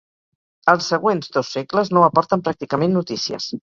Els següents dos segles no aporten pràcticament notícies.